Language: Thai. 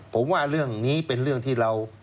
ผมว่าเรื่องนี้เป็นเรื่องที่เรา